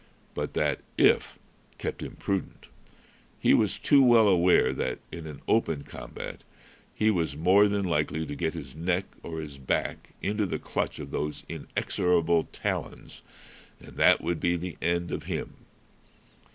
But that if kept him prudent. He was too well aware that in an open combat he was more than likely to get his neck or his back into the clutch of those inexorable talons, and that would be the end of him.